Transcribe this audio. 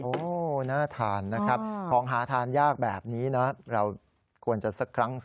โอ้โหน่าทานนะครับของหาทานยากแบบนี้นะเราควรจะสักครั้ง